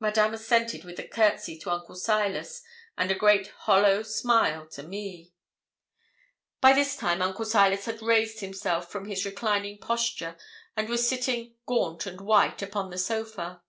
Madame assented with a courtesy to Uncle Silas, and a great hollow smile to me. By this time Uncle Silas had raised himself from his reclining posture, and was sitting, gaunt and white, upon the sofa.